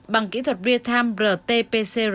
bằng kỹ thuật retam rt pcr